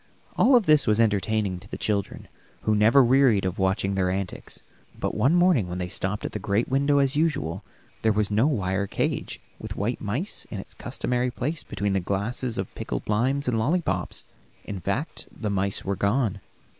All this was entertaining to the children, who never wearied watching their antics. But one morning when they stopped at the great window, as usual, there was no wire cage with white mice in its customary place between the glasses of pickled limes and lollipops; in fact, the mice were gone.